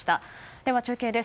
では中継です。